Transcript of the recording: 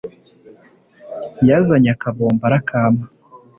yazanye akabombo arakama